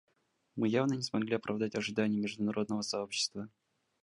Мы явно не смогли оправдать ожиданий международного сообщества.